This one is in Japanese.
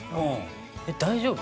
大丈夫？